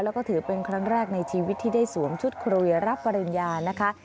แล้วก็ถือเป็นครั้งแรกในชีวิตที่ได้สวมชุดคุยรับปริญญานะคะ